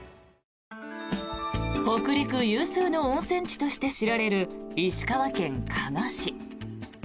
北陸有数の温泉地として知られる石川県加賀市。